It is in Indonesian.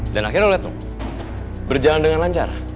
dan akhirnya lo liat tuh berjalan dengan lancar